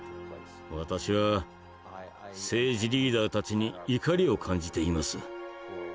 私は政治リーダーたちに怒りを感じています。